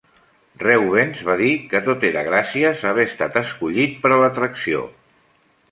Reubens va dir que tot era gràcies a haver estat escollit per a l'atracció.